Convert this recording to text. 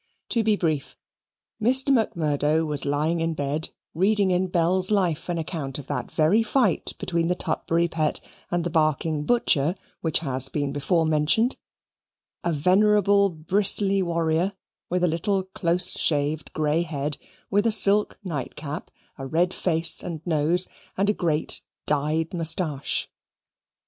To be brief, Mr. Macmurdo was lying in bed, reading in Bell's Life an account of that very fight between the Tutbury Pet and the Barking Butcher, which has been before mentioned a venerable bristly warrior, with a little close shaved grey head, with a silk nightcap, a red face and nose, and a great dyed moustache.